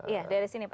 iya dari sini pak